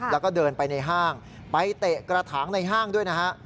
แล้วก็เดินไปในห้างไปเตะกระถางในห้างด้วยนะฮะ